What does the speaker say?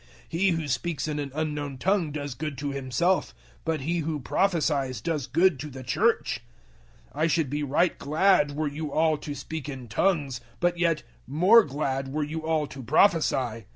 014:004 He who speaks in an unknown tongue does good to himself, but he who prophesies does good to the Church. 014:005 I should be right glad were you all to speak in `tongues,' but yet more glad were you all to prophesy.